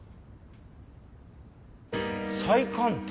再鑑定？